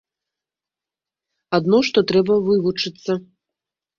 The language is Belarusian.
Адно што трэба вывучыцца.